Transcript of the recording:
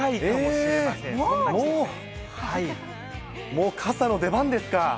もう傘の出番ですか。